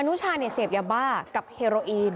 นุชาเนี่ยเสพยาบ้ากับเฮโรอีน